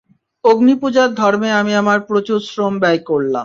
অগ্নিপূজার ধর্মে আমি আমার প্রচুর শ্রম ব্যয় করলাম।